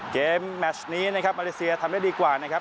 แมชนี้นะครับมาเลเซียทำได้ดีกว่านะครับ